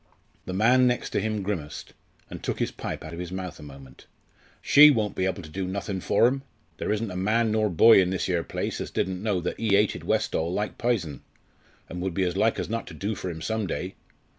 The man next him grimaced, and took his pipe out of his mouth a moment. "She won't be able to do nothin' for 'im! There isn't a man nor boy in this 'ere place as didn't know as ee hated Westall like pison, and would be as like as not to do for 'im some day.